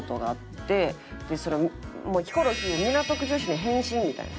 でそれもう「ヒコロヒー港区女子に変身」みたいな。